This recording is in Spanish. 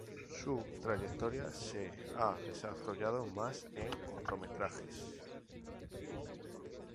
Su trayectoria se ha desarrollado más en cortometrajes.